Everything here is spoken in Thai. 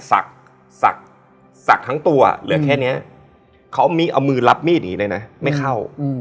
สักศักดิ์ทั้งตัวเหลือแค่นี้เขาเอามือรับมีดอย่างนี้เลยนะไม่เข้า